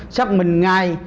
xác minh ngay